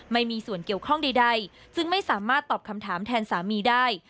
ไม่มีส่วนเกี่ยวข้องใดซึ่งไม่สามารถตอบคำถามแทนสามีได้